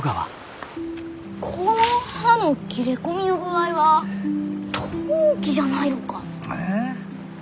この葉の切れ込みの具合はトウキじゃないろか？え？